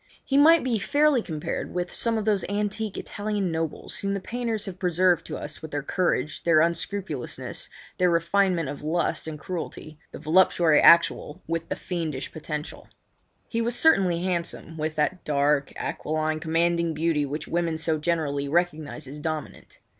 He might be fairly compared with some of those antique Italian nobles whom the painters have preserved to us with their courage, their unscrupulousness, their refinement of lust and cruelty—the voluptuary actual with the fiend potential. He was certainly handsome, with that dark, aquiline, commanding beauty which women so generally recognise as dominant.